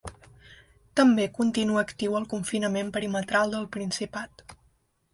També continua actiu el confinament perimetral del Principat.